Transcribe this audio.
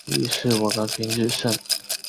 于是瓦岗军日盛。